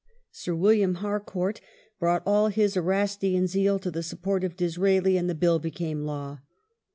Sir William Harcourt brought all his Erastian zeal to the support of Disraeli and the Bill became law.